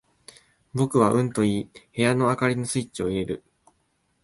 僕はうんと言い、部屋の灯りのスイッチを入れる。